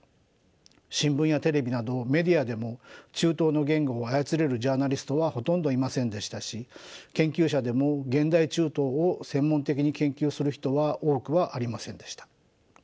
新聞やテレビなどメディアでも中東の言語を操れるジャーナリストはほとんどいませんでしたし研究者でも現代中東を専門的に研究する人は多くはありませんでした。